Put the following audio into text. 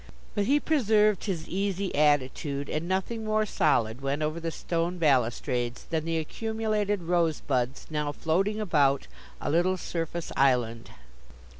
But he preserved his easy attitude; and nothing more solid went over the stone balustrades than the accumulated rosebuds now floating about, a little surface island.